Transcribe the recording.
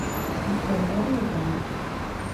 Izen berri eta guzti.